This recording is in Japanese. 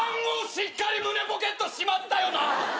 しっかり胸ポケットしまったよな？